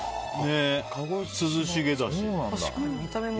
涼しげだし。